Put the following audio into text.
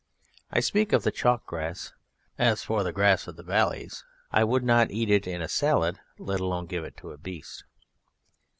I speak of the chalk grass; as for the grass of the valleys, I would not eat it in a salad, let alone give it to a beast.